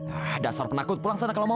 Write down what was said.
ah dasar penakut pulang sana kalau mau